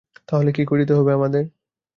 তাহলে কী করতে হবে আমাদের?